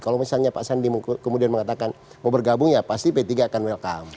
kalau misalnya pak sandi kemudian mengatakan mau bergabung ya pasti p tiga akan welcome